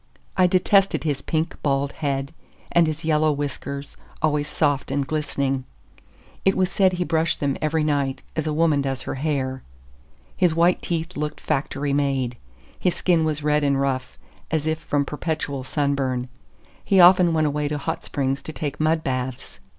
I detested his pink, bald head, and his yellow whiskers, always soft and glistening. It was said he brushed them every night, as a woman does her hair. His white teeth looked factory made. His skin was red and rough, as if from perpetual sunburn; he often went away to hot springs to take mud baths.